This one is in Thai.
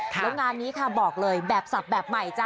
แล้วงานนี้ค่ะบอกเลยแบบสับแบบใหม่จ้ะ